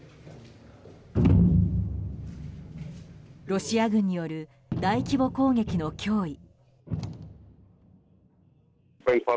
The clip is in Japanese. ロシア軍による大規模攻撃の脅威。